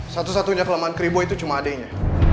satu satunya kelemahan keribu itu cuma adeknya